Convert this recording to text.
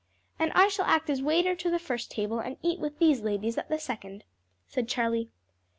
"And I shall act as waiter to the first table and eat with these ladies at the second," said Charlie.